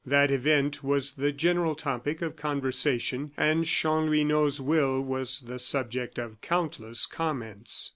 That event was the general topic of conversation; and Chanlouineau's will was the subject of countless comments.